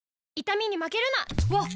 わっ！